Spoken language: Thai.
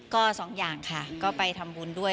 ก็สองอย่างค่ะก็ไปทำบุญด้วย